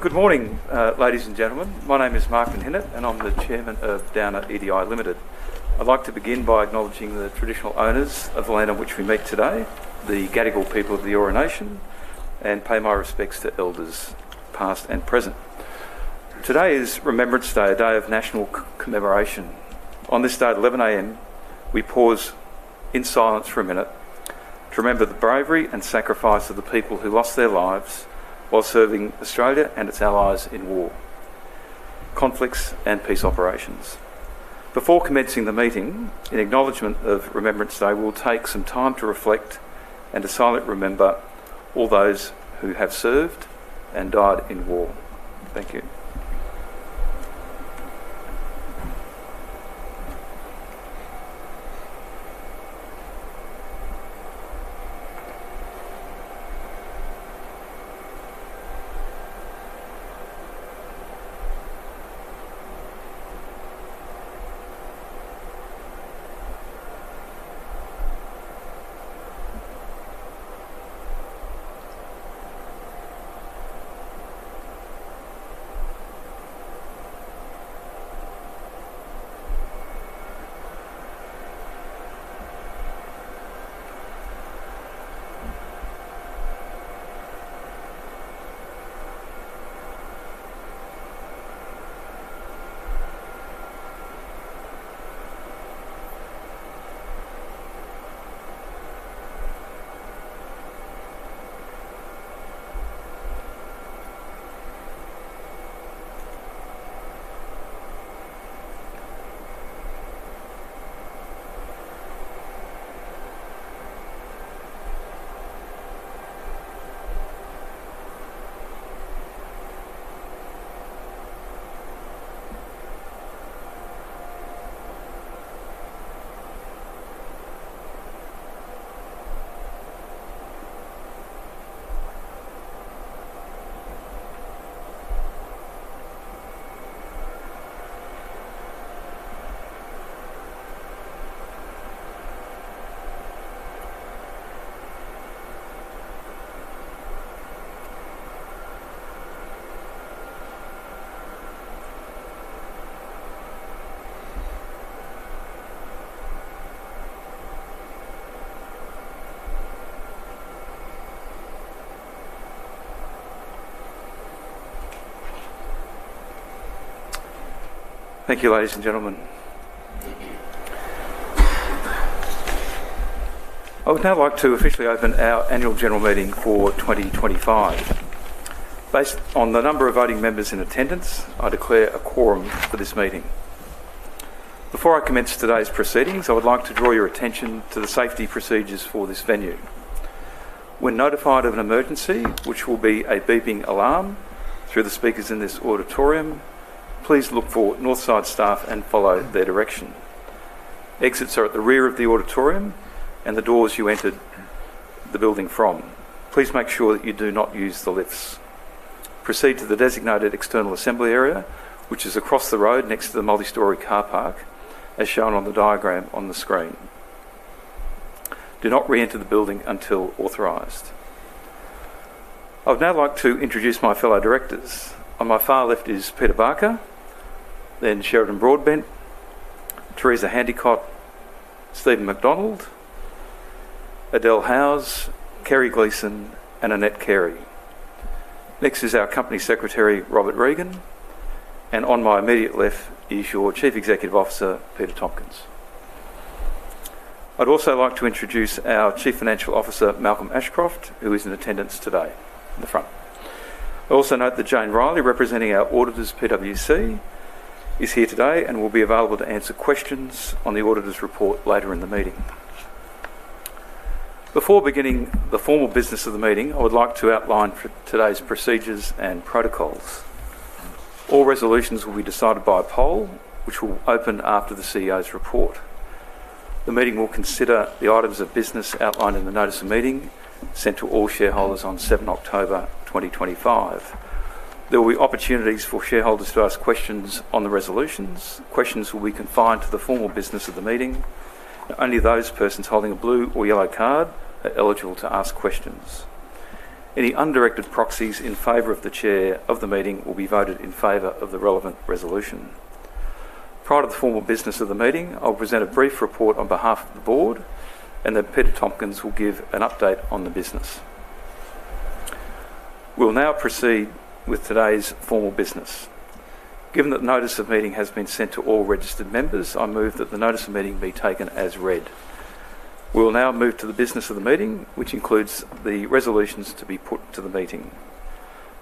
Good morning, ladies and gentlemen. My name is Mark Menhinnitt, and I'm the Chairman of Downer EDI Limited. I'd like to begin by acknowledging the traditional owners of the land on which we meet today, the Gadigal people of the Eora Nation, and pay my respects to elders, past and present. Today is Remembrance Day, a day of national commemoration. On this day, at 11:00 A.M., we pause in silence for a minute to remember the bravery and sacrifice of the people who lost their lives while serving Australia and its allies in war, conflicts, and peace operations. Before commencing the meeting, in acknowledgement of Remembrance Day, we'll take some time to reflect and to silently remember all those who have served and died in war. Thank you. Thank you, ladies and gentlemen. I would now like to officially open our Annual General Meeting for 2025. Based on the number of voting members in attendance, I declare a quorum for this meeting. Before I commence today's proceedings, I would like to draw your attention to the safety procedures for this venue. When notified of an emergency, which will be a beeping alarm through the speakers in this auditorium, please look for north side staff and follow their direction. Exits are at the rear of the auditorium and the doors you entered the building from. Please make sure that you do not use the lifts. Proceed to the designated external assembly area, which is across the road next to the multi-storey car park, as shown on the diagram on the screen. Do not re-enter the building until authorised. I would now like to introduce my fellow directors. On my far left is Peter Barker, then Sheridan Broadbent, Teresa Handicott, Steven MacDonald, Adelle Howse, Kerry Gleeson, and Annette Carey. Next is our Company Secretary, Robert Regan, and on my immediate left is your Chief Executive Officer, Peter Tompkins. I'd also like to introduce our Chief Financial Officer, Malcolm Ashcroft, who is in attendance today in the front. I also note that Jane Riley, representing our auditors, PwC, is here today and will be available to answer questions on the auditor's report later in the meeting. Before beginning the formal business of the meeting, I would like to outline today's procedures and protocols. All resolutions will be decided by poll, which will open after the CEO's report. The meeting will consider the items of business outlined in the notice of meeting sent to all shareholders on 7 October 2025. There will be opportunities for shareholders to ask questions on the resolutions. Questions will be confined to the formal business of the meeting. Only those persons holding a blue or yellow card are eligible to ask questions. Any undirected proxies in favor of the Chair of the meeting will be voted in favor of the relevant resolution. Prior to the formal business of the meeting, I'll present a brief report on behalf of the board, and then Peter Tompkins will give an update on the business. We'll now proceed with today's formal business. Given that the notice of meeting has been sent to all registered members, I move that the notice of meeting be taken as read. We'll now move to the business of the meeting, which includes the resolutions to be put to the meeting.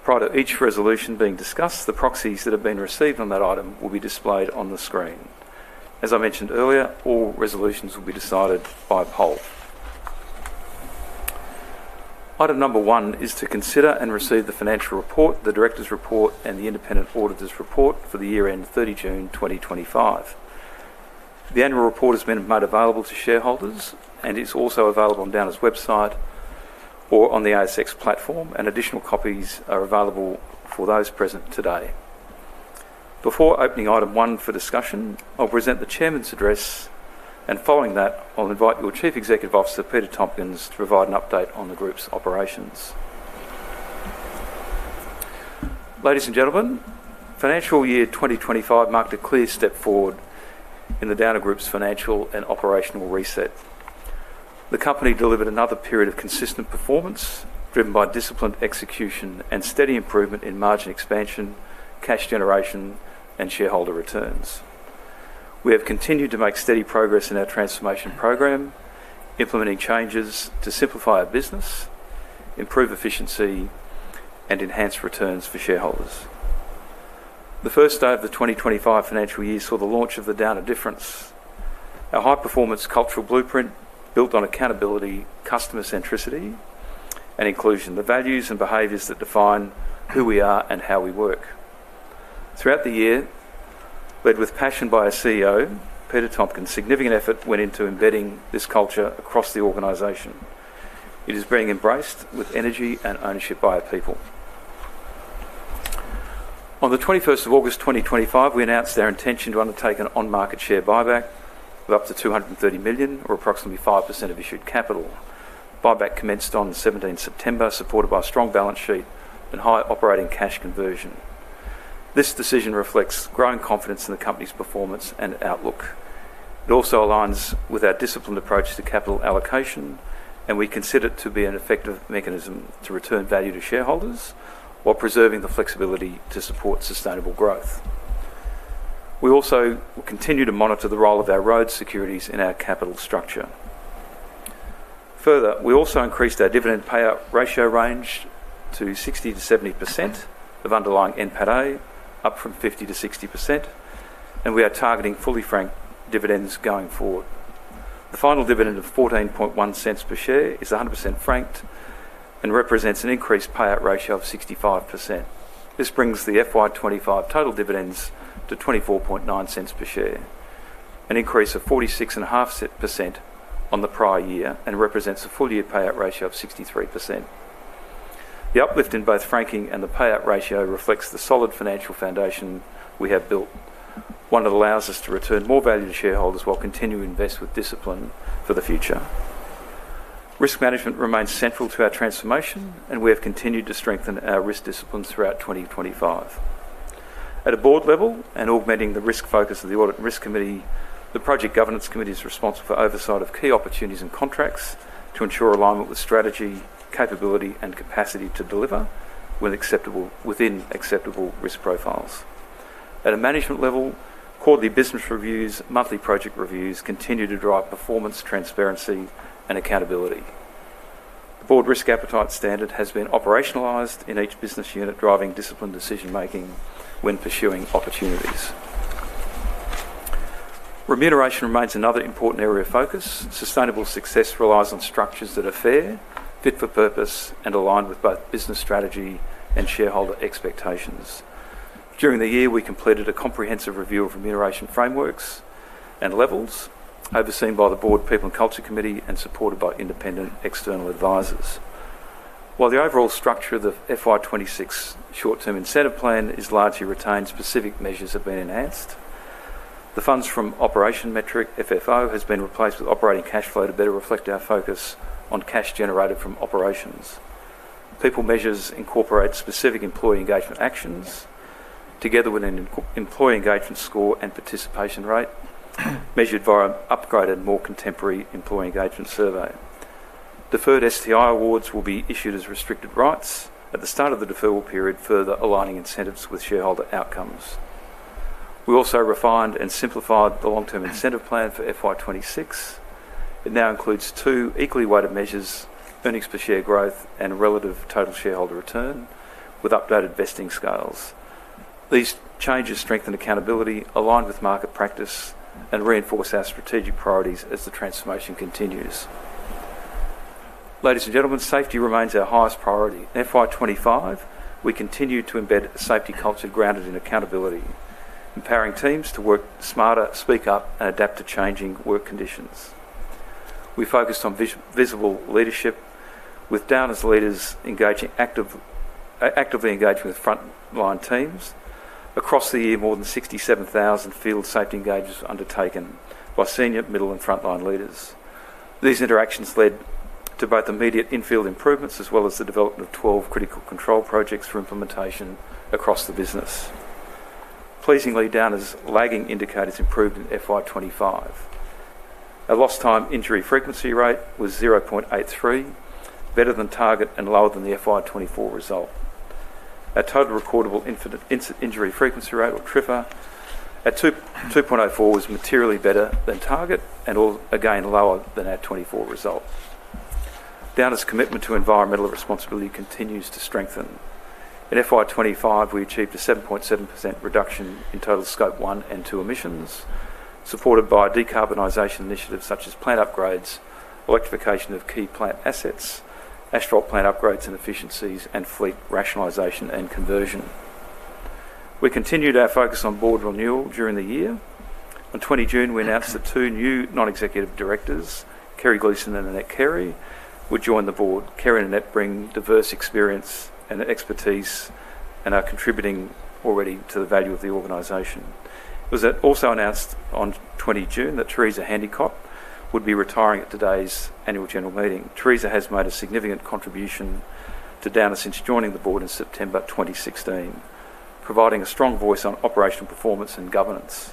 Prior to each resolution being discussed, the proxies that have been received on that item will be displayed on the screen. As I mentioned earlier, all resolutions will be decided by poll. Item number one is to consider and receive the financial report, the director's report, and the independent auditor's report for the year end, 30 June 2025. The annual report has been made available to shareholders, and it's also available on Downer's website or on the ASX platform. Additional copies are available for those present today. Before opening item one for discussion, I'll present the Chairman's address, and following that, I'll invite your Chief Executive Officer, Peter Tompkins, to provide an update on the group's operations. Ladies and gentlemen, financial year 2025 marked a clear step forward in the Downer Group's financial and operational reset. The company delivered another period of consistent performance, driven by disciplined execution and steady improvement in margin expansion, cash generation, and shareholder returns. We have continued to make steady progress in our transformation program, implementing changes to simplify our business, improve efficiency, and enhance returns for shareholders. The first day of the 2025 financial year saw the launch of the Downer Difference, a high-performance cultural blueprint built on accountability, customer centricity, and inclusion—the values and behaviors that define who we are and how we work. Throughout the year, led with passion by our CEO, Peter Tompkins, significant effort went into embedding this culture across the organization. It is being embraced with energy and ownership by our people. On the 21st of August 2025, we announced our intention to undertake an on-market share buyback of up to 230 million, or approximately 5% of issued capital. Buyback commenced on 17 September, supported by a strong balance sheet and high operating cash conversion. This decision reflects growing confidence in the company's performance and outlook. It also aligns with our disciplined approach to capital allocation, and we consider it to be an effective mechanism to return value to shareholders while preserving the flexibility to support sustainable growth. We also continue to monitor the role of our road securities in our capital structure. Further, we also increased our dividend payout ratio range to 60%-70% of underlying NPATA, up from 50%-60%, and we are targeting fully franked dividends going forward. The final dividend of 0.141 per share is 100% franked and represents an increased payout ratio of 65%. This brings the FY 2025 total dividends to 0.249 per share, an increase of 46.5% on the prior year, and represents a full year payout ratio of 63%. The uplift in both franking and the payout ratio reflects the solid financial foundation we have built, one that allows us to return more value to shareholders while continuing to invest with discipline for the future. Risk management remains central to our transformation, and we have continued to strengthen our risk disciplines throughout 2025. At a board level and augmenting the risk focus of the Audit and Risk Committee, the Project Governance Committee is responsible for oversight of key opportunities and contracts to ensure alignment with strategy, capability, and capacity to deliver within acceptable risk profiles. At a management level, quarterly business reviews, monthly project reviews continue to drive performance, transparency, and accountability. The board risk appetite standard has been operationalized in each business unit, driving disciplined decision-making when pursuing opportunities. Remuneration remains another important area of focus. Sustainable success relies on structures that are fair, fit for purpose, and aligned with both business strategy and shareholder expectations. During the year, we completed a comprehensive review of remuneration frameworks and levels, overseen by the Board People and Culture Committee and supported by independent external advisors. While the overall structure of the FY 2026 short-term incentive plan is largely retained, specific measures have been enhanced. The funds from operation metric, FFO, has been replaced with operating cash flow to better reflect our focus on cash generated from operations. People measures incorporate specific employee engagement actions together with an employee engagement score and participation rate measured via an upgraded, more contemporary employee engagement survey. Deferred STI awards will be issued as restricted rights at the start of the deferral period, further aligning incentives with shareholder outcomes. We also refined and simplified the long-term incentive plan for FY 2026. It now includes two equally weighted measures, earnings per share growth and relative total shareholder return, with updated vesting scales. These changes strengthen accountability, align with market practice, and reinforce our strategic priorities as the transformation continues. Ladies and gentlemen, safety remains our highest priority. In FY25, we continue to embed a safety culture grounded in accountability, empowering teams to work smarter, speak up, and adapt to changing work conditions. We focused on visible leadership, with Downer's leaders actively engaging with frontline teams. Across the year, more than 67,000 field safety engagements were undertaken by senior, middle, and frontline leaders. These interactions led to both immediate infield improvements as well as the development of 12 critical control projects for implementation across the business. Pleasingly, Downer's lagging indicators improved in FY 2025. Our lost time injury frequency rate was 0.83, better than target and lower than the FY 2024 result. Our total recordable injury frequency rate, or TRIFR, at 2.04 was materially better than target and again lower than our 2024 result. Downer's commitment to environmental responsibility continues to strengthen. In FY 2025, we achieved a 7.7% reduction in total scope one and two emissions, supported by decarbonisation initiatives such as plant upgrades, electrification of key plant assets, Ashcroft plant upgrades and efficiencies, and fleet rationalisation and conversion. We continued our focus on board renewal during the year. On 20 June, we announced the two new non-executive directors, Kerry Gleeson and Annette Carey, would join the board. Kerry and Annette bring diverse experience and expertise and are contributing already to the value of the organization. It was also announced on 20 June that Teresa Handicott would be retiring at today's Annual General Meeting. Teresa has made a significant contribution to Downer since joining the board in September 2016, providing a strong voice on operational performance and governance.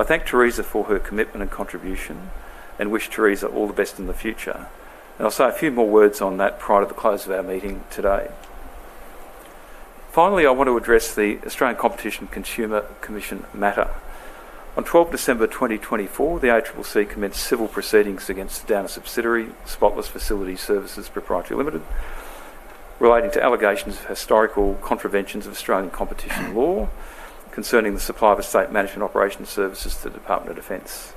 I thank Teresa for her commitment and contribution and wish Teresa all the best in the future. I will say a few more words on that prior to the close of our meeting today. Finally, I want to address the Australian Competition and Consumer Commission matter. On 12 December 2024, the ACCC commenced civil proceedings against Downer subsidiary Spotless Facility Services Pty Ltd relating to allegations of historical contraventions of Australian competition law concerning the supply of estate management operation services to the Department of Defence.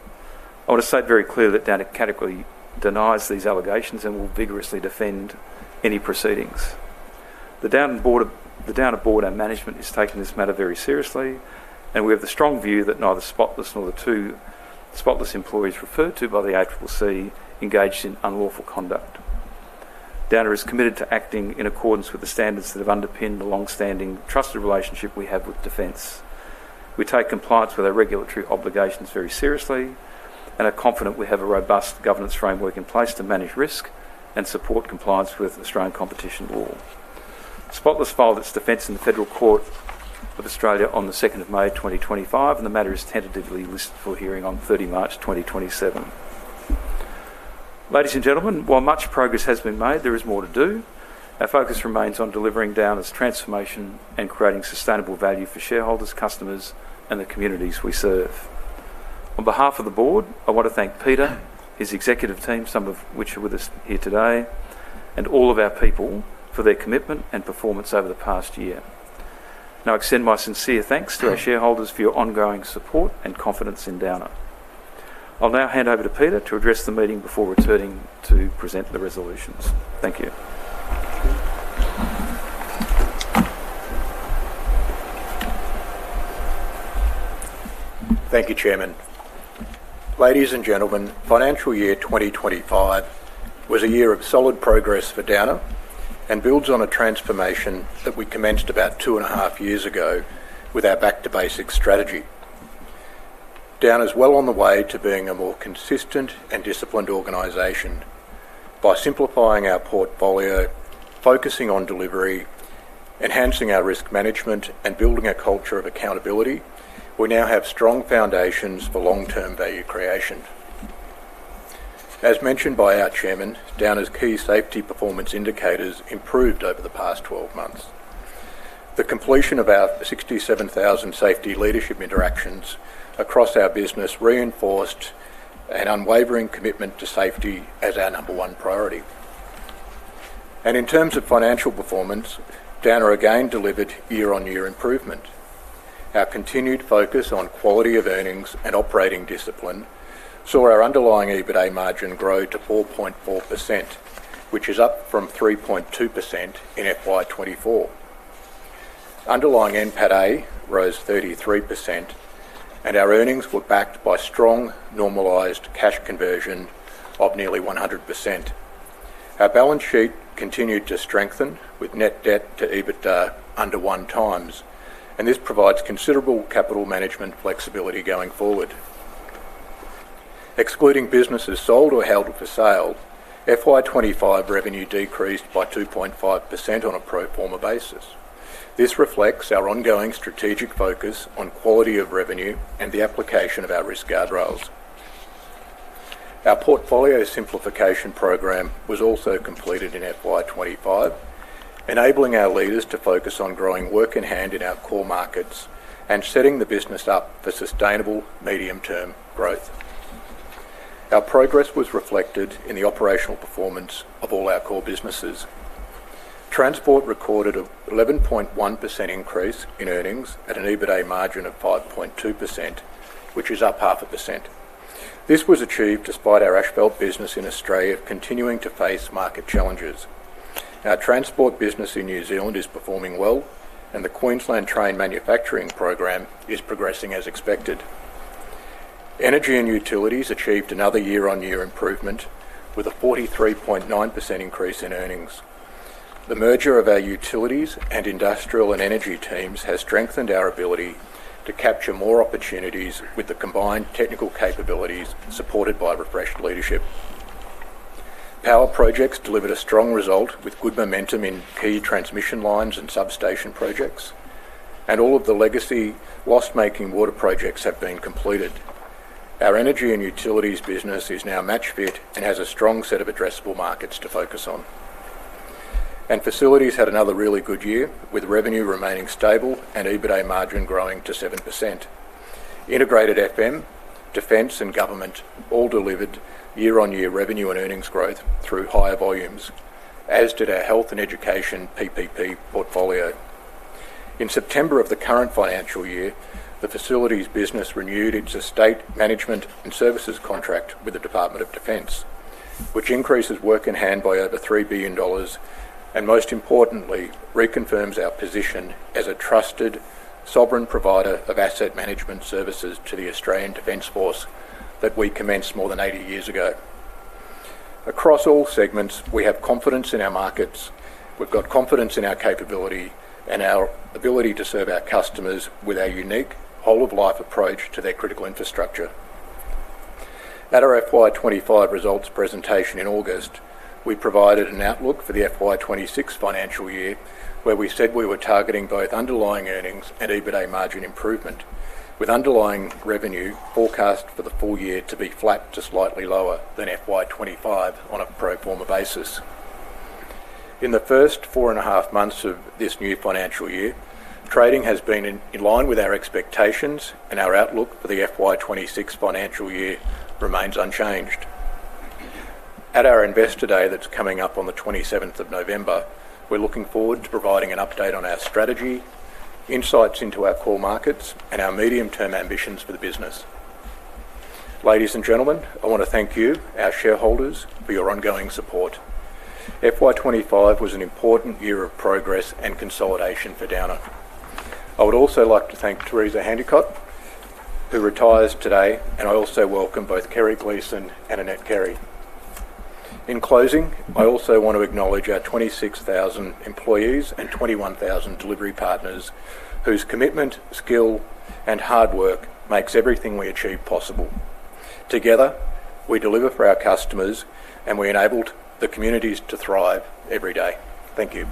I want to state very clearly that Downer categorically denies these allegations and will vigorously defend any proceedings. The Downer board and management is taking this matter very seriously, and we have the strong view that neither Spotless nor the two Spotless employees referred to by the ACCC engaged in unlawful conduct. Downer is committed to acting in accordance with the standards that have underpinned the long-standing trusted relationship we have with Defence. We take compliance with our regulatory obligations very seriously and are confident we have a robust governance framework in place to manage risk and support compliance with Australian competition law. Spotless filed its defence in the Federal Court of Australia on the 2nd of May 2025, and the matter is tentatively listed for hearing on 30 March 2027. Ladies and gentlemen, while much progress has been made, there is more to do. Our focus remains on delivering Downer's transformation and creating sustainable value for shareholders, customers, and the communities we serve. On behalf of the board, I want to thank Peter, his executive team, some of which are with us here today, and all of our people for their commitment and performance over the past year. Now, I extend my sincere thanks to our shareholders for your ongoing support and confidence in Downer. I'll now hand over to Peter to address the meeting before returning to present the resolutions. Thank you. Thank you, Chairman. Ladies and gentlemen, financial year 2025 was a year of solid progress for Downer and builds on a transformation that we commenced about two and a half years ago with our back-to-basic strategy. Downer is well on the way to being a more consistent and disciplined organization. By simplifying our portfolio, focusing on delivery, enhancing our risk management, and building a culture of accountability, we now have strong foundations for long-term value creation. As mentioned by our Chairman, Downer's key safety performance indicators improved over the past 12 months. The completion of our 67,000 safety leadership interactions across our business reinforced an unwavering commitment to safety as our number one priority. In terms of financial performance, Downer again delivered year-on-year improvement. Our continued focus on quality of earnings and operating discipline saw our underlying EBITDA margin grow to 4.4%, which is up from 3.2% in FY 2024. Underlying NPATA rose 33%, and our earnings were backed by strong normalised cash conversion of nearly 100%. Our balance sheet continued to strengthen with net debt to EBITDA under one times, and this provides considerable capital management flexibility going forward. Excluding businesses sold or held for sale, FY 2025 revenue decreased by 2.5% on a pro forma basis. This reflects our ongoing strategic focus on quality of revenue and the application of our risk guardrails. Our portfolio simplification program was also completed in FY 2025, enabling our leaders to focus on growing work in hand in our core markets and setting the business up for sustainable medium-term growth. Our progress was reflected in the operational performance of all our core businesses. Transport recorded an 11.1% increase in earnings at an EBITDA margin of 5.2%, which is up half a percent. This was achieved despite our asphalt business in Australia continuing to face market challenges. Our transport business in New Zealand is performing well, and the Queensland train manufacturing program is progressing as expected. Energy and utilities achieved another year-on-year improvement with a 43.9% increase in earnings. The merger of our utilities and industrial and energy teams has strengthened our ability to capture more opportunities with the combined technical capabilities supported by refreshed leadership. Power projects delivered a strong result with good momentum in key transmission lines and substation projects, and all of the legacy loss-making water projects have been completed. Our energy and utilities business is now match-fit and has a strong set of addressable markets to focus on. Facilities had another really good year with revenue remaining stable and EBITDA margin growing to 7%. Integrated FM, Defence, and Government all delivered year-on-year revenue and earnings growth through higher volumes, as did our health and education PPP portfolio. In September of the current financial year, the facilities business renewed its estate management and services contract with the Department of Defence, which increases work in hand by over 3 billion dollars and, most importantly, reconfirms our position as a trusted, sovereign provider of asset management services to the Australian Defence Force that we commenced more than 80 years ago. Across all segments, we have confidence in our markets. We've got confidence in our capability and our ability to serve our customers with our unique whole-of-life approach to their critical infrastructure. At our FY 2025 results presentation in August, we provided an outlook for the FY 2026 financial year where we said we were targeting both underlying earnings and EBITDA margin improvement, with underlying revenue forecast for the full year to be flat to slightly lower than FY 2025 on a pro forma basis. In the first four and a half months of this new financial year, trading has been in line with our expectations, and our outlook for the FY 2026 financial year remains unchanged. At our Investor Day that is coming up on the 27th of November, we are looking forward to providing an update on our strategy, insights into our core markets, and our medium-term ambitions for the business. Ladies and gentlemen, I want to thank you, our shareholders, for your ongoing support. FY 2025 was an important year of progress and consolidation for Downer. I would also like to thank Teresa Handicott, who retires today, and I also welcome Kerry Gleeson and Annette Carey. In closing, I also want to acknowledge our 26,000 employees and 21,000 delivery partners whose commitment, skill, and hard work makes everything we achieve possible. Together, we deliver for our customers, and we enable the communities to thrive every day. Thank you.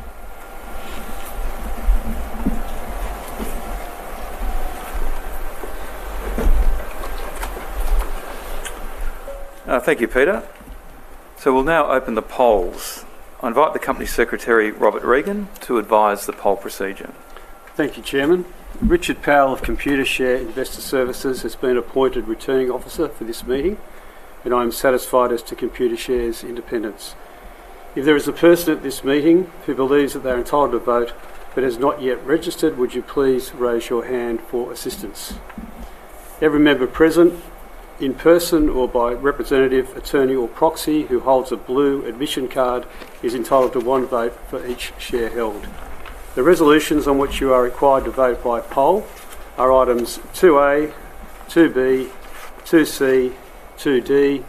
Thank you, Peter. We will now open the polls. I invite the Company Secretary, Robert Regan, to advise the poll procedure. Thank you, Chairman. Richard Powell of Computershare Investor Services has been appointed returning officer for this meeting, and I am satisfied as to Computershare's independence. If there is a person at this meeting who believes that they're entitled to vote but has not yet registered, would you please raise your hand for assistance? Every member present, in person or by representative, attorney, or proxy who holds a blue admission card is entitled to one vote for each share held. The resolutions on which you are required to vote by poll are items 2A, 2B, 2C, 2D,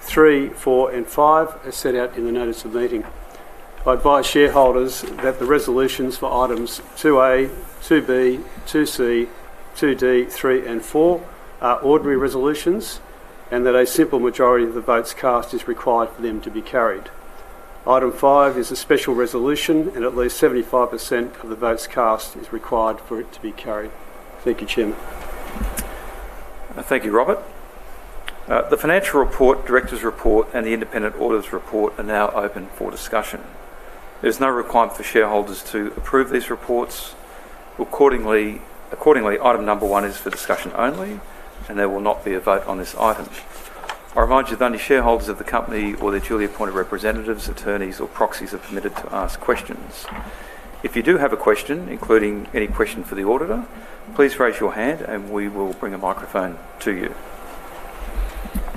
3, 4, and 5, as set out in the notice of meeting. I advise shareholders that the resolutions for items 2A, 2B, 2C, 2D, 3, and 4 are ordinary resolutions and that a simple majority of the votes cast is required for them to be carried. Item five is a special resolution, and at least 75% of the votes cast is required for it to be carried. Thank you, Chairman. Thank you, Robert. The Financial Report, Director's Report, and the Independent Auditor's Report are now open for discussion. There's no requirement for shareholders to approve these reports. Accordingly, item number one is for discussion only, and there will not be a vote on this item. I remind you that only shareholders of the company or their duly appointed representatives, attorneys, or proxies are permitted to ask questions. If you do have a question, including any question for the auditor, please raise your hand and we will bring a microphone to you.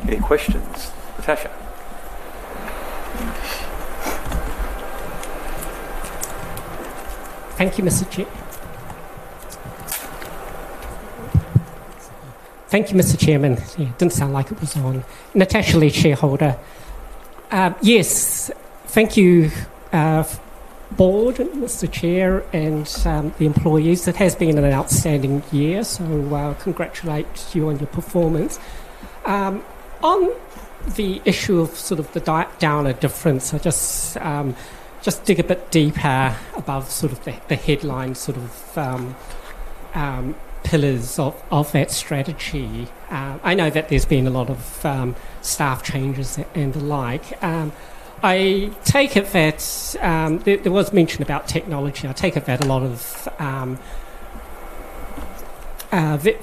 Any questions? Natasha. Thank you, Mr. Chair. Thank you, Mr. Chairman. It didn't sound like it was on. Natasha Lee, shareholder. Yes, thank you, Board, and Mr. Chair, and the employees. It has been an outstanding year, so congratulate you on your performance. On the issue of sort of the Downer difference, I just dig a bit deeper above sort of the headline sort of pillars of that strategy. I know that there's been a lot of staff changes and the like. I take it that there was mention about technology. I take it that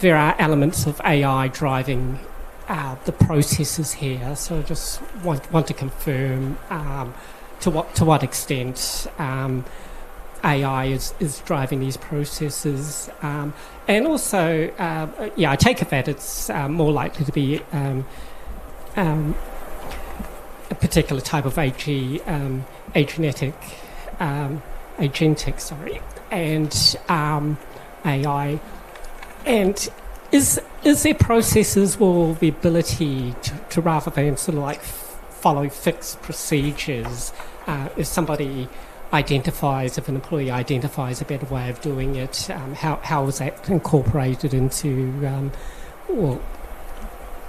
there are elements of AI driving the processes here. I just want to confirm to what extent AI is driving these processes. Also, I take it that it's more likely to be a particular type of agentic, sorry, and AI. Is there processes or the ability to, rather than sort of like follow fixed procedures, if somebody identifies, if an employee identifies a better way of doing it, how is that incorporated into, well,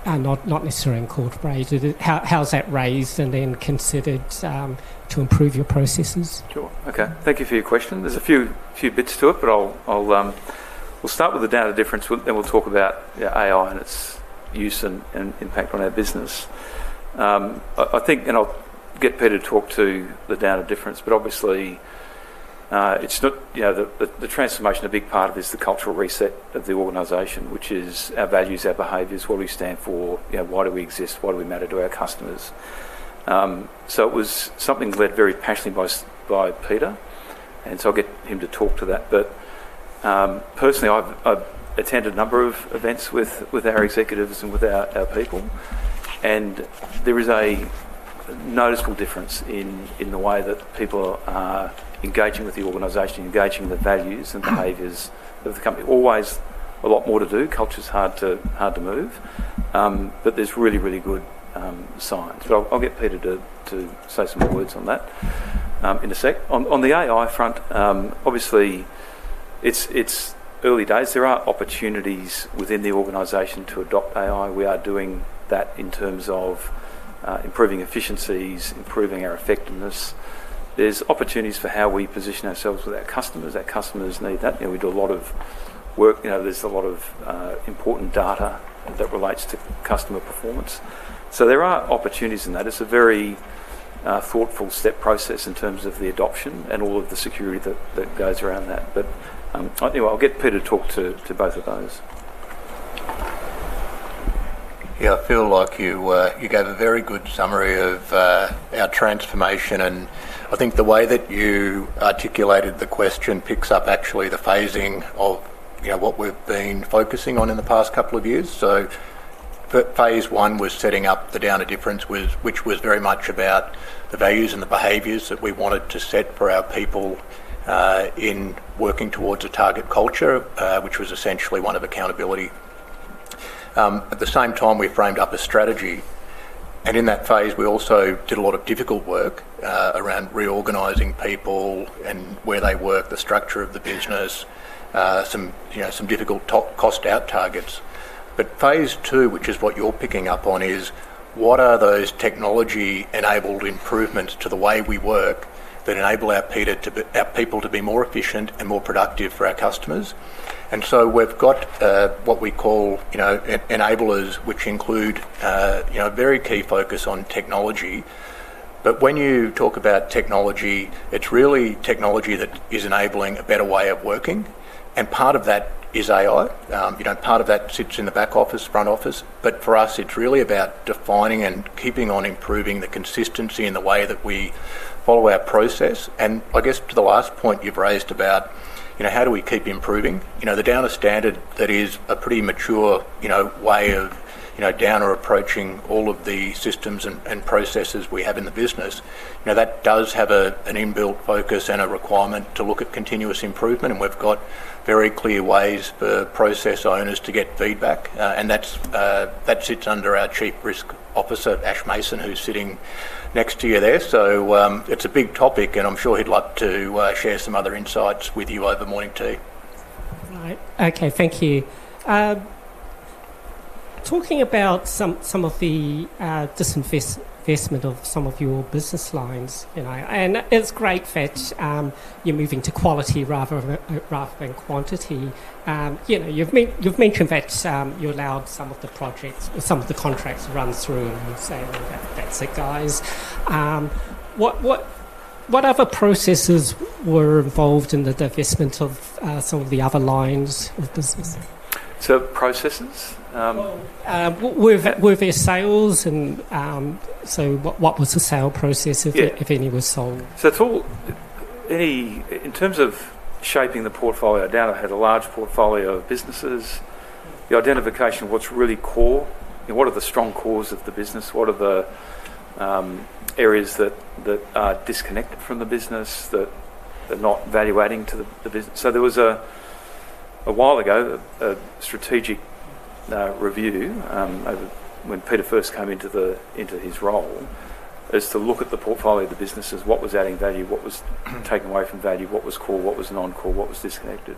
not necessarily incorporated, how is that raised and then considered to improve your processes? Sure. Okay. Thank you for your question. There's a few bits to it, but I'll start with the Downer difference, then we'll talk about AI and its use and impact on our business. I think, and I'll get Peter to talk to the Downer difference, obviously it's not, you know, the transformation, a big part of this is the cultural reset of the organization, which is our values, our behaviors, what do we stand for, why do we exist, why do we matter to our customers. It was something led very passionately by Peter, and I'll get him to talk to that. Personally, I've attended a number of events with our executives and with our people, and there is a noticeable difference in the way that people are engaging with the organization, engaging the values and behaviors of the company. Always a lot more to do. Culture's hard to move, but there's really, really good signs. I'll get Peter to say some more words on that in a sec. On the AI front, obviously it's early days. There are opportunities within the organization to adopt AI. We are doing that in terms of improving efficiencies, improving our effectiveness. There's opportunities for how we position ourselves with our customers. Our customers need that. You know, we do a lot of work. You know, there's a lot of important data that relates to customer performance. There are opportunities in that. It's a very thoughtful step process in terms of the adoption and all of the security that goes around that. I'll get Peter to talk to both of those. Yeah, I feel like you gave a very good summary of our transformation, and I think the way that you articulated the question picks up actually the phasing of what we've been focusing on in the past couple of years. Phase I was setting up the Downer difference, which was very much about the values and the behaviors that we wanted to set for our people in working towards a target culture, which was essentially one of accountability. At the same time, we framed up a strategy. In that phase, we also did a lot of difficult work around reorganizing people and where they work, the structure of the business, some difficult cost-out targets. Phase II, which is what you're picking up on, is what are those technology-enabled improvements to the way we work that enable our people to be more efficient and more productive for our customers? We have what we call enablers, which include a very key focus on technology. When you talk about technology, it's really technology that is enabling a better way of working. Part of that is AI. Part of that sits in the back office, front office. For us, it's really about defining and keeping on improving the consistency in the way that we follow our process. I guess to the last point you've raised about how do we keep improving? The Downer standard, that is a pretty mature way of Downer approaching all of the systems and processes we have in the business, that does have an inbuilt focus and a requirement to look at continuous improvement. We have very clear ways for process owners to get feedback. That sits under our Chief Risk Officer, Ash Mason, who's sitting next to you there. It is a big topic, and I'm sure he'd like to share some other insights with you over morning tea. Right. Okay, thank you. Talking about some of the disinvestment of some of your business lines, and it's great that you're moving to quality rather than quantity. You've mentioned that you allowed some of the projects, some of the contracts run through and say, "That's it, guys." What other processes were involved in the divestment of some of the other lines of business? So processes? With their sales. What was the sale process, if any was sold? In terms of shaping the portfolio, Downer had a large portfolio of businesses. The identification of what's really core, what are the strong cores of the business? What are the areas that are disconnected from the business that are not valuating to the business? There was a while ago a strategic review when Peter first came into his role to look at the portfolio of the businesses, what was adding value, what was taking away from value, what was core, what was non-core, what was disconnected.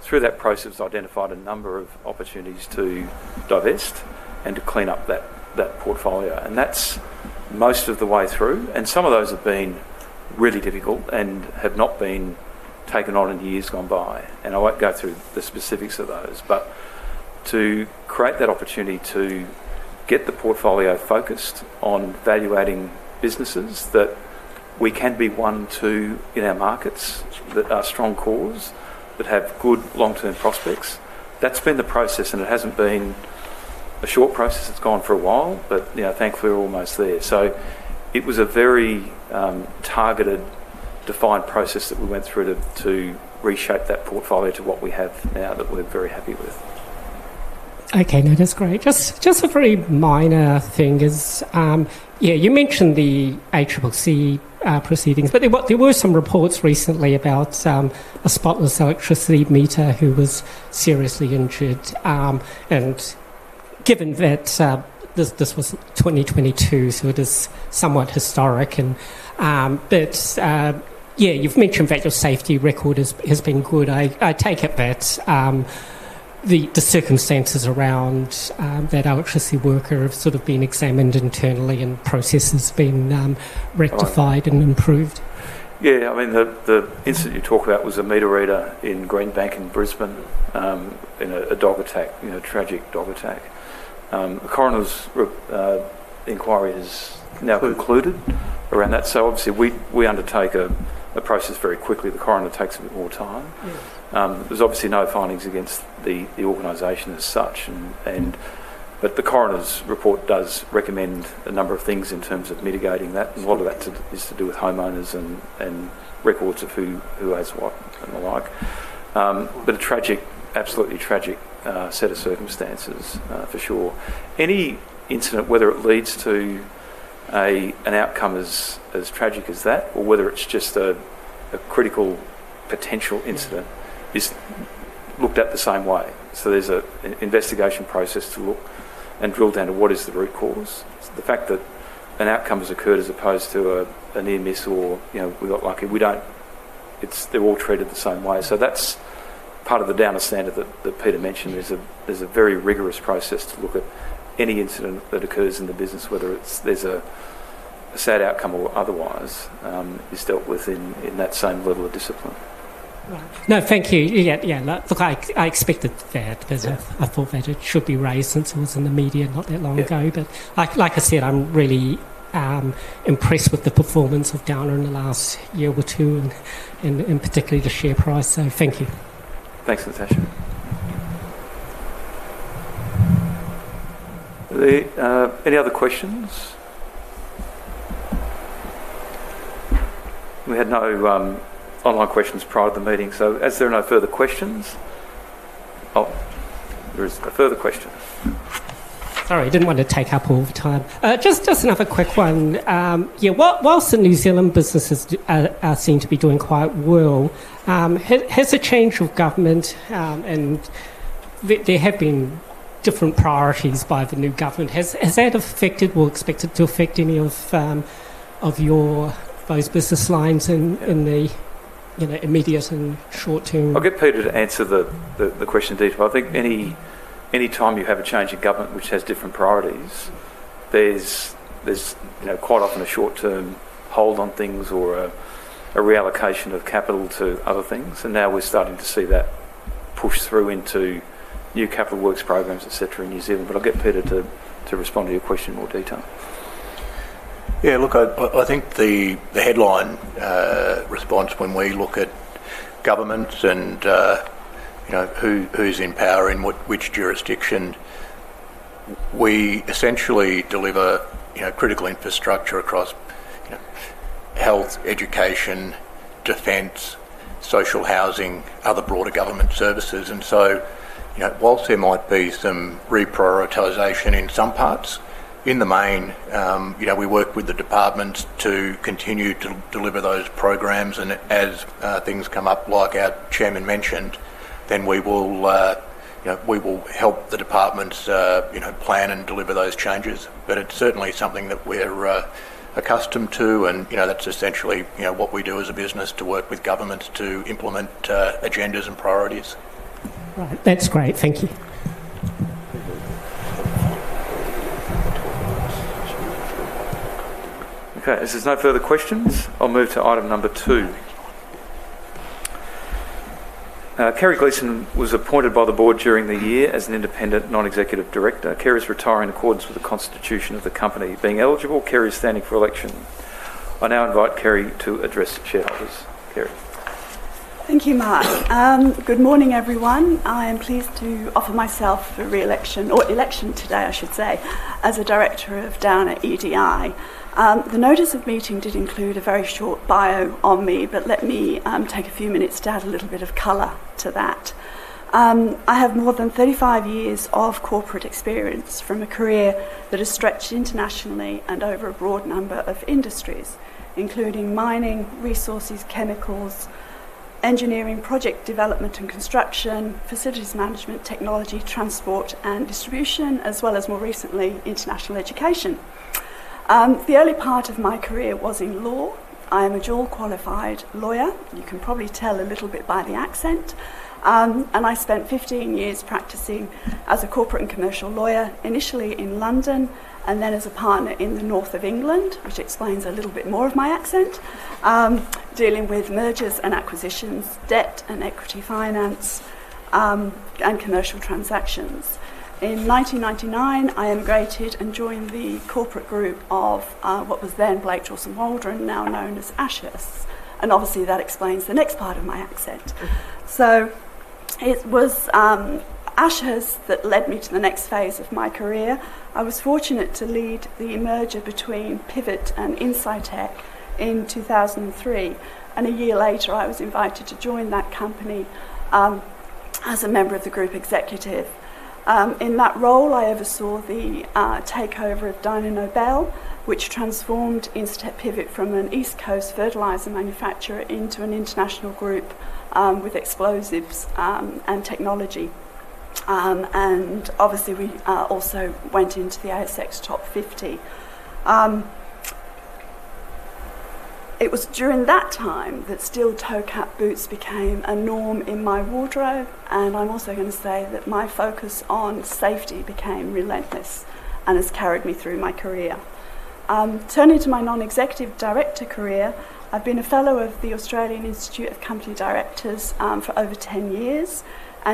Through that process, we identified a number of opportunities to divest and to clean up that portfolio. That's most of the way through. Some of those have been really difficult and have not been taken on in years gone by. I won't go through the specifics of those. To create that opportunity to get the portfolio focused on valuating businesses that we can be one to in our markets that are strong cores, that have good long-term prospects, that's been the process. It hasn't been a short process. It's gone for a while, but thankfully we're almost there. It was a very targeted, defined process that we went through to reshape that portfolio to what we have now that we're very happy with. Okay, no, that's great. Just a very minor thing is, yeah, you mentioned the ACCC proceedings, but there were some reports recently about a Spotless electricity meter who was seriously injured. And given that this was 2022, it is somewhat historic. Yeah, you've mentioned that your safety record has been good. I take it that the circumstances around that electricity worker have sort of been examined internally and processes been rectified and improved. Yeah, I mean, the incident you talk about was a meter reader in Greenbank in Brisbane in a dog attack, tragic dog attack. The coroner's inquiry has now concluded around that. Obviously, we undertake a process very quickly. The coroner takes a bit more time. There's obviously no findings against the organization as such. The coroner's report does recommend a number of things in terms of mitigating that. A lot of that is to do with homeowners and records of who owns what and the like. A tragic, absolutely tragic set of circumstances for sure. Any incident, whether it leads to an outcome as tragic as that or whether it's just a critical potential incident, is looked at the same way. There's an investigation process to look and drill down to what is the root cause. The fact that an outcome has occurred as opposed to a near miss or we got lucky, we do not, they are all treated the same way. That is part of the Downer standard that Peter mentioned. There is a very rigorous process to look at any incident that occurs in the business, whether there is a sad outcome or otherwise, it is dealt with in that same level of discipline. No, thank you. Yeah, look, I expected that. I thought that it should be raised since it was in the media not that long ago. Like I said, I'm really impressed with the performance of Downer in the last year or two, and particularly the share price. Thank you. Thanks, Natasha. Any other questions? We had no online questions prior to the meeting. As there are no further questions, oh, there is a further question. Sorry, I didn't want to take up all the time. Just another quick one. Yeah, whilst the New Zealand businesses are seen to be doing quite well, has the change of government, and there have been different priorities by the new government, has that affected, or expected to affect any of your, those business lines in the immediate and short term? I'll get Peter to answer the question in detail. I think any time you have a change in government which has different priorities, there's quite often a short-term hold on things or a reallocation of capital to other things. Now we're starting to see that push through into new capital works programs, etc., in New Zealand. I'll get Peter to respond to your question in more detail. Yeah, look, I think the headline response when we look at government and who's in power in which jurisdiction, we essentially deliver critical infrastructure across health, education, defence, social housing, other broader government services. Whilst there might be some reprioritisation in some parts, in the main, we work with the departments to continue to deliver those programs. As things come up, like our Chairman mentioned, we will help the departments plan and deliver those changes. It is certainly something that we're accustomed to, and that's essentially what we do as a business, to work with governments to implement agendas and priorities. Right. That's great. Thank you. Okay, if there's no further questions, I'll move to item number two Kerry Gleeson was appointed by the board during the year as an independent non-executive director. Kerry's retiring in accordance with the constitution of the company. Being eligible, Kerry is standing for election. I now invite Kerry to address shareholders. Kerry. Thank you, Mark. Good morning, everyone. I am pleased to offer myself for re-election, or election today, I should say, as a director of Downer EDI. The notice of meeting did include a very short bio on me, but let me take a few minutes to add a little bit of color to that. I have more than 35 years of corporate experience from a career that has stretched internationally and over a broad number of industries, including mining, resources, chemicals, engineering, project development and construction, facilities management, technology, transport and distribution, as well as more recently, international education. The early part of my career was in law. I am a dual-qualified lawyer. You can probably tell a little bit by the accent. I spent 15 years practicing as a corporate and commercial lawyer, initially in London and then as a partner in the North of England, which explains a little bit more of my accent, dealing with mergers and acquisitions, debt and equity finance, and commercial transactions. In 1999, I emigrated and joined the corporate group of what was then Blake Dawson Waldron, now known as Ashurst. Obviously, that explains the next part of my accent. It was Ashurst that led me to the next phase of my career. I was fortunate to lead the merger between Pivot and Incitec in 2003. A year later, I was invited to join that company as a member of the group executive. In that role, I oversaw the takeover of Dyno Nobel, which transformed Incitec Pivot from an East Coast fertilizer manufacturer into an international group with explosives and technology. Obviously, we also went into the ASX top 50. It was during that time that steel toe cap boots became a norm in my wardrobe. I'm also going to say that my focus on safety became relentless and has carried me through my career. Turning to my non-executive director career, I've been a fellow of the Australian Institute of Company Directors for over 10 years.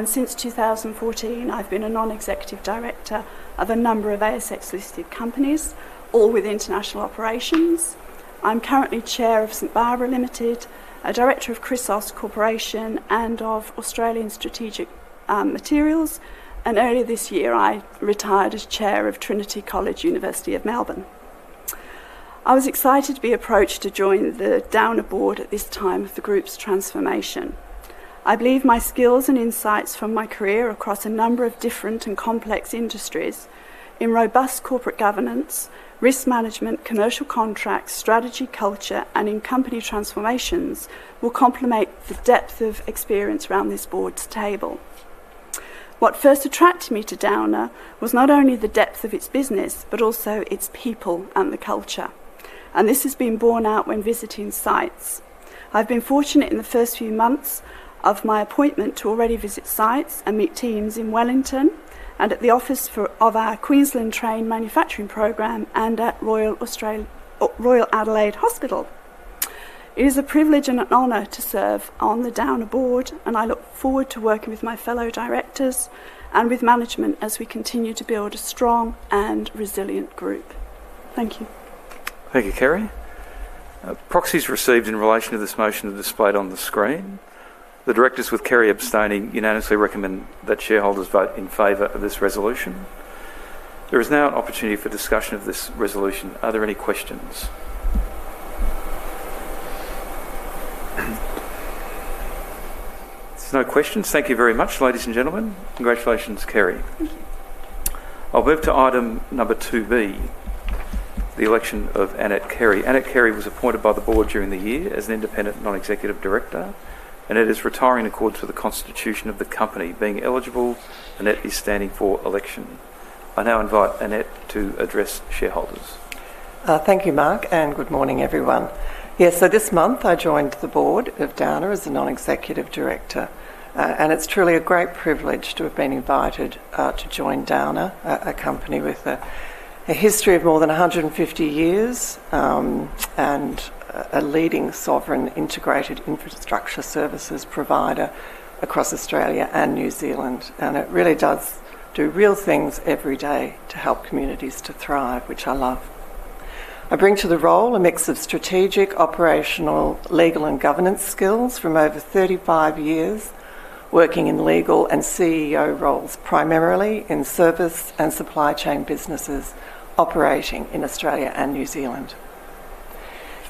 Since 2014, I've been a non-executive director of a number of ASX-listed companies, all with international operations. I'm currently chair of St Barbara Limited, a director of Chrysos Corporation, and of Australian Strategic Materials. Earlier this year, I retired as chair of Trinity College, University of Melbourne. I was excited to be approached to join the Downer board at this time of the group's transformation. I believe my skills and insights from my career across a number of different and complex industries in robust corporate governance, risk management, commercial contracts, strategy, culture, and in company transformations will complement the depth of experience around this board's table. What first attracted me to Downer was not only the depth of its business, but also its people and the culture. This has been borne out when visiting sites. I've been fortunate in the first few months of my appointment to already visit sites and meet teams in Wellington and at the office of our Queensland Train Manufacturing Program and at Royal Adelaide Hospital. It is a privilege and an honor to serve on the Downer board, and I look forward to working with my fellow directors and with management as we continue to build a strong and resilient group. Thank you. Thank you, Kerry. Proxies received in relation to this motion are displayed on the screen. The directors, with Kerry abstaining, unanimously recommend that shareholders vote in favor of this resolution. There is now an opportunity for discussion of this resolution. Are there any questions? There are no questions. Thank you very much, ladies and gentlemen. Congratulations, Kerry. Thank you. I'll move to item number 2B, the election of Annette Carey. Annette Carey was appointed by the board during the year as an independent non-executive director, and is retiring in accordance with the constitution of the company. Being eligible, Annette is standing for election. I now invite Annette to address shareholders. Thank you, Mark, and good morning, everyone. Yeah, this month I joined the board of Downer as a non-executive director. It is truly a great privilege to have been invited to join Downer, a company with a history of more than 150 years and a leading sovereign integrated infrastructure services provider across Australia and New Zealand. It really does do real things every day to help communities to thrive, which I love. I bring to the role a mix of strategic, operational, legal, and governance skills from over 35 years working in legal and CEO roles, primarily in service and supply chain businesses operating in Australia and New Zealand.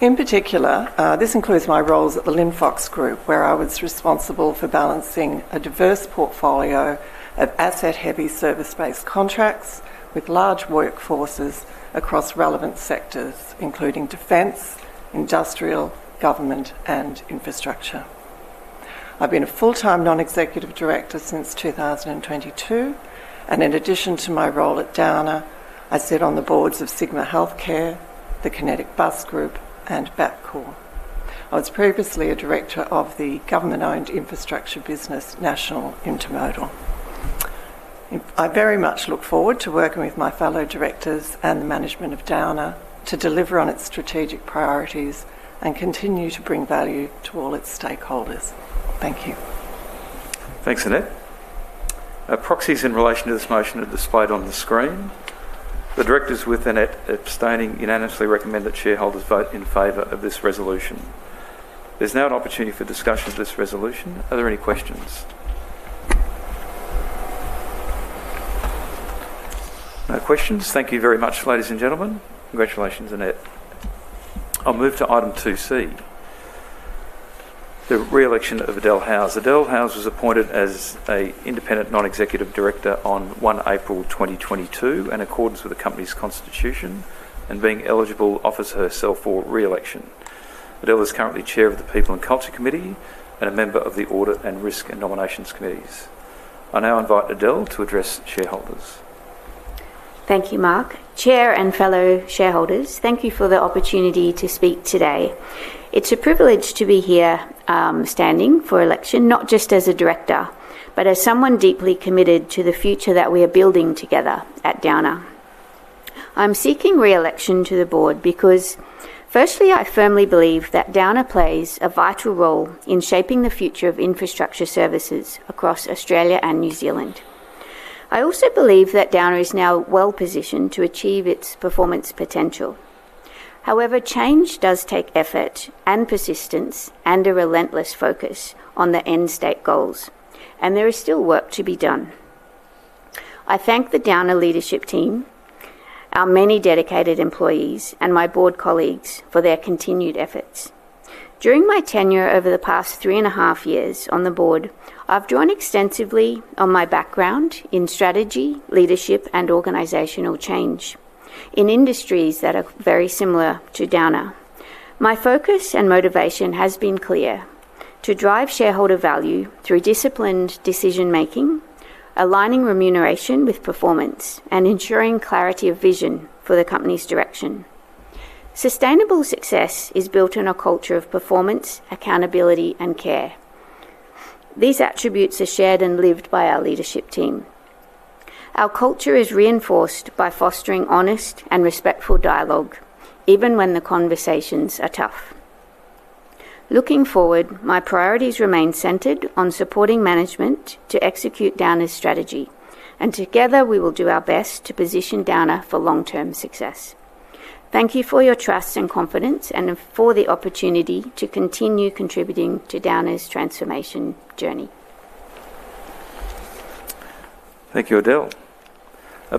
In particular, this includes my roles at the Linfox Group, where I was responsible for balancing a diverse portfolio of asset-heavy service-based contracts with large workforces across relevant sectors, including defence, industrial, government, and infrastructure. I've been a full-time non-executive director since 2022. In addition to my role at Downer, I sit on the boards of Sigma Healthcare, the Kinetic Bus Group, and Bapcor. I was previously a director of the government-owned infrastructure business, National Intermodal. I very much look forward to working with my fellow directors and the management of Downer to deliver on its strategic priorities and continue to bring value to all its stakeholders. Thank you. Thanks, Annette. Proxies in relation to this motion are displayed on the screen. The directors, with Annette abstaining, unanimously recommend that shareholders vote in favor of this resolution. There's now an opportunity for discussion of this resolution. Are there any questions? No questions. Thank you very much, ladies and gentlemen. Congratulations, Annette. I'll move to item 2C, the re-election of Adelle Howse. Adelle Howse was appointed as an independent non-executive director on 1 April 2022 in accordance with the company's constitution, and being eligible, offers herself for re-election. Adelle is currently Chair of the People and Culture Committee and a member of the Audit and Risk and Nominations Committees. I now invite Adelle to address shareholders. Thank you, Mark. Chair and fellow shareholders, thank you for the opportunity to speak today. It's a privilege to be here standing for election, not just as a director, but as someone deeply committed to the future that we are building together at Downer. I'm seeking re-election to the board because, firstly, I firmly believe that Downer plays a vital role in shaping the future of infrastructure services across Australia and New Zealand. I also believe that Downer is now well-positioned to achieve its performance potential. However, change does take effort and persistence and a relentless focus on the end state goals, and there is still work to be done. I thank the Downer leadership team, our many dedicated employees, and my board colleagues for their continued efforts. During my tenure over the past three and a half years on the board, I've drawn extensively on my background in strategy, leadership, and organizational change in industries that are very similar to Downer. My focus and motivation has been clear: to drive shareholder value through disciplined decision-making, aligning remuneration with performance, and ensuring clarity of vision for the company's direction. Sustainable success is built on a culture of performance, accountability, and care. These attributes are shared and lived by our leadership team. Our culture is reinforced by fostering honest and respectful dialogue, even when the conversations are tough. Looking forward, my priorities remain centered on supporting management to execute Downer's strategy, and together we will do our best to position Downer for long-term success. Thank you for your trust and confidence, and for the opportunity to continue contributing to Downer's transformation journey. Thank you, Adelle.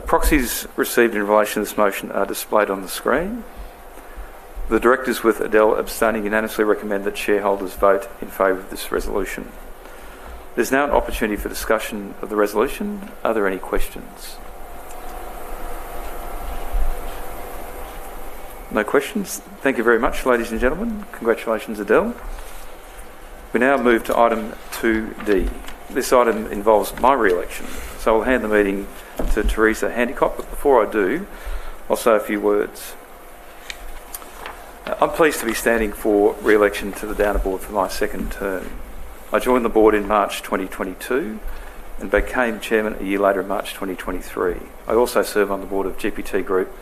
Proxies received in relation to this motion are displayed on the screen. The directors, with Adelle abstaining, unanimously recommend that shareholders vote in favor of this resolution. There's now an opportunity for discussion of the resolution. Are there any questions? No questions. Thank you very much, ladies and gentlemen. Congratulations, Adelle. We now move to item 2D. This item involves my re-election, so I'll hand the meeting to Teresa Handicott. Before I do, I'll say a few words. I'm pleased to be standing for re-election to the Downer board for my second term. I joined the board in March 2022 and became chairman a year later, in March 2023. I also serve on the board of GPT Group,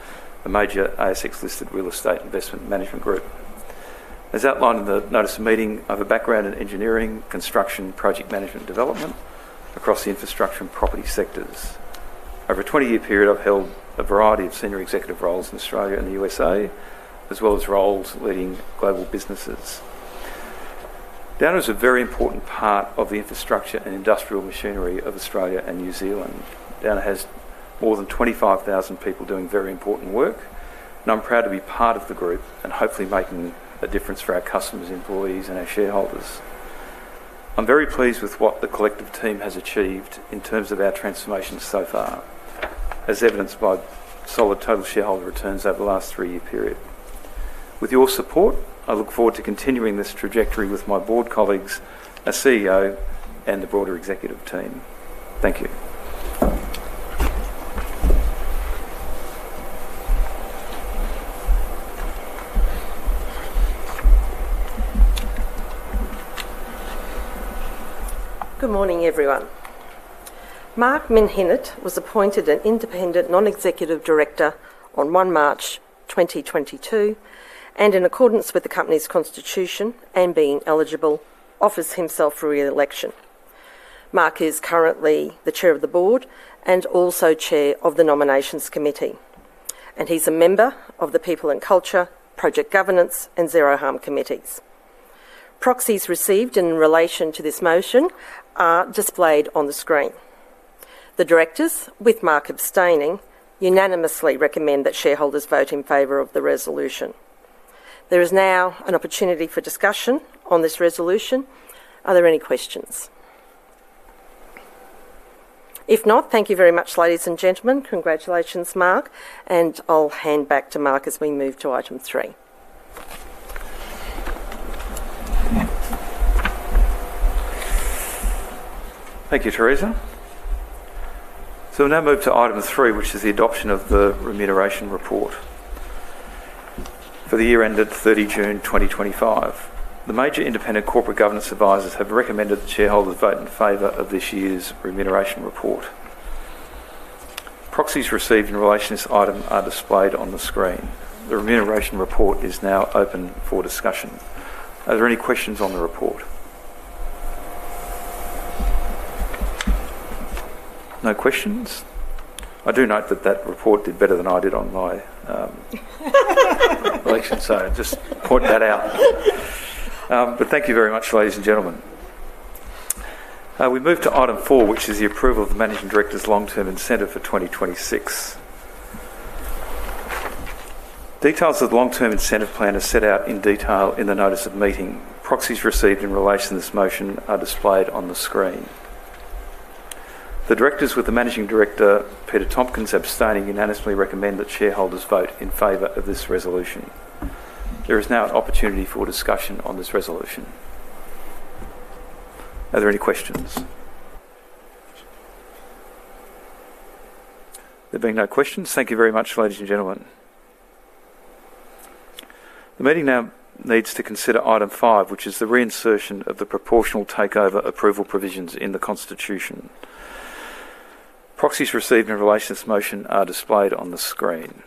a major ASX-listed real estate investment management group. As outlined in the notice of meeting, I have a background in engineering, construction, project management, and development across the infrastructure and property sectors. Over a 20-year period, I've held a variety of senior executive roles in Australia and the USA, as well as roles leading global businesses. Downer is a very important part of the infrastructure and industrial machinery of Australia and New Zealand. Downer has more than 25,000 people doing very important work, and I'm proud to be part of the group and hopefully making a difference for our customers, employees, and our shareholders. I'm very pleased with what the collective team has achieved in terms of our transformation so far, as evidenced by solid total shareholder returns over the last three-year period. With your support, I look forward to continuing this trajectory with my board colleagues, a CEO, and the broader executive team. Thank you. Good morning, everyone. Mark Menhinnitt was appointed an independent non-executive director on 1 March 2022, and in accordance with the company's constitution and being eligible, offers himself for re-election. Mark is currently the chair of the board and also chair of the Nominations Committee, and he's a member of the People and Culture, Project Governance, and Zero Harm Committees. Proxies received in relation to this motion are displayed on the screen. The directors, with Mark abstaining, unanimously recommend that shareholders vote in favor of the resolution. There is now an opportunity for discussion on this resolution. Are there any questions? If not, thank you very much, ladies and gentlemen. Congratulations, Mark. I'll hand back to Mark as we move to item three. Thank you, Teresa. We will now move to item three, which is the adoption of the remuneration report for the year ended 30 June 2025. The major independent corporate governance advisors have recommended that shareholders vote in favor of this year's remuneration report. Proxies received in relation to this item are displayed on the screen. The remuneration report is now open for discussion. Are there any questions on the report? No questions. I do note that that report did better than I did on my election, so I just point that out. Thank you very much, ladies and gentlemen. We move to item four, which is the approval of the managing director's long-term incentive for 2026. Details of the long-term incentive plan are set out in detail in the notice of meeting. Proxies received in relation to this motion are displayed on the screen. The directors, with the Managing Director, Peter Tompkins, abstaining, unanimously recommend that shareholders vote in favor of this resolution. There is now an opportunity for discussion on this resolution. Are there any questions? There being no questions, thank you very much, ladies and gentlemen. The meeting now needs to consider item five, which is the reinsertion of the proportional takeover approval provisions in the constitution. Proxies received in relation to this motion are displayed on the screen.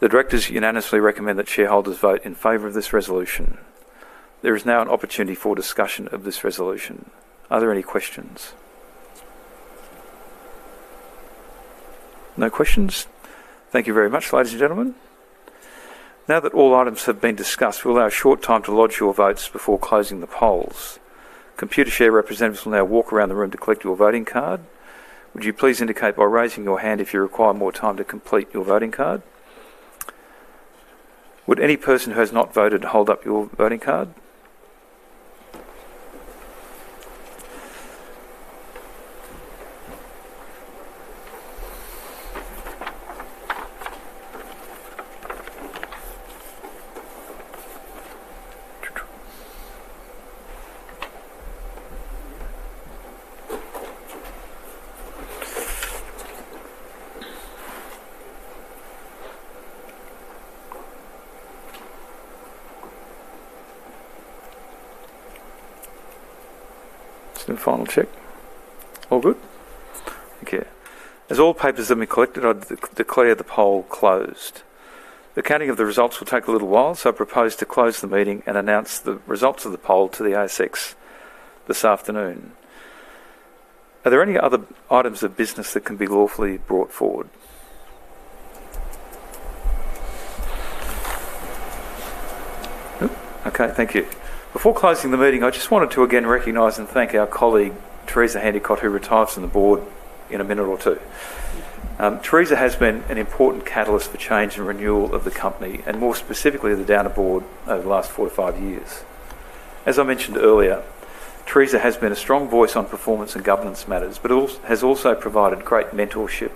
The directors unanimously recommend that shareholders vote in favor of this resolution. There is now an opportunity for discussion of this resolution. Are there any questions? No questions. Thank you very much, ladies and gentlemen. Now that all items have been discussed, we'll allow a short time to lodge your votes before closing the polls. Computershare representatives will now walk around the room to collect your voting card. Would you please indicate by raising your hand if you require more time to complete your voting card? Would any person who has not voted hold up your voting card? Just a final check. All good? Thank you. As all papers have been collected, I declare the poll closed. The counting of the results will take a little while, so I propose to close the meeting and announce the results of the poll to the ASX this afternoon. Are there any other items of business that can be lawfully brought forward? Okay, thank you. Before closing the meeting, I just wanted to again recognize and thank our colleague, Teresa Handicott, who retires from the board in a minute or two. Teresa has been an important catalyst for change and renewal of the company, and more specifically the Downer board over the last four to five years. As I mentioned earlier, Teresa has been a strong voice on performance and governance matters, but has also provided great mentorship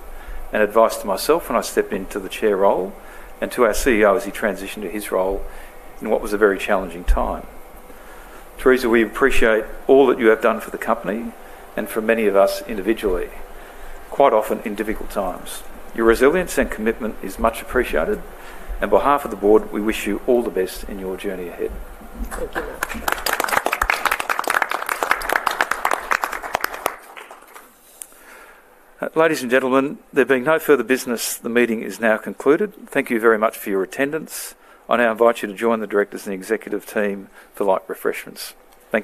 and advice to myself when I stepped into the chair role and to our CEO as he transitioned to his role in what was a very challenging time. Teresa, we appreciate all that you have done for the company and for many of us individually, quite often in difficult times. Your resilience and commitment is much appreciated, and on behalf of the board, we wish you all the best in your journey ahead. Thank you. Ladies and gentlemen, there being no further business, the meeting is now concluded. Thank you very much for your attendance. I now invite you to join the directors and the executive team for light refreshments. Thank you.